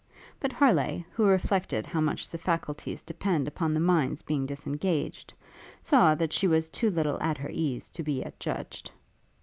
But Harleigh, who reflected how much the faculties depend upon the mind's being disengaged, saw that she was too little at her ease to be yet judged.